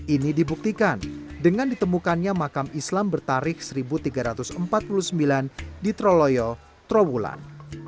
ini dibuktikan dengan ditemukannya makam islam bertarik seribu tiga ratus empat puluh sembilan di troloyo trawulan